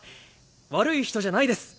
悪い人じゃないです。